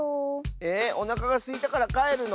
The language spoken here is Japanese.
えおなかがすいたからかえるの？